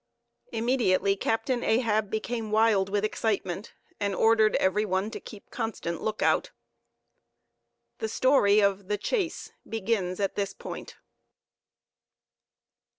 Immediately Captain Ahab became wild with excitement, and ordered everyone to keep constant lookout. The story of "The Chase" begins at this point.